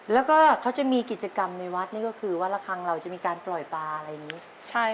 แล้วก็เขาจะมีกิจกรรมในวัดนี่ก็คือว่าละครั้งเราจะมีการปล่อยปลาอะไรอย่างนี้